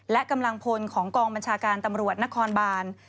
และกำลังพลของกองบัญชาการตำรวจนครบาน